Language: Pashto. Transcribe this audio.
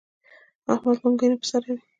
احمد لونګۍ نه پر سروي.